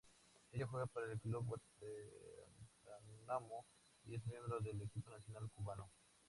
Ella juega para el club Guantánamo y es miembro del equipo nacional cubano.